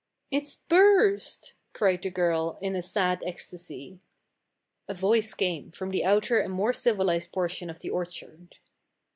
"It's burst!" cried the girl, in a sad ecstasy. A voice came from the outer and more civilized portion of the orchard.